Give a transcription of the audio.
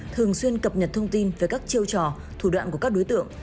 thường xuyên cập nhật thông tin về các chiêu trò thủ đoạn của các đối tượng